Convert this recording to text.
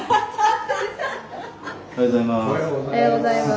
おはようございます。